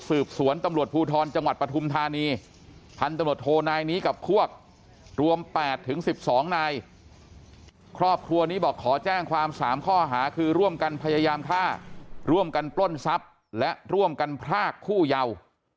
รวม๘ถึง๑๒นายครอบครัวนี้บอกขอแจ้งความสามข้อหาคือร่วมกันพยายามท่าร่วมกันปล้นทรัพย์และร่วมกันพรากคู่เยาว์